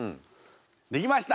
できました。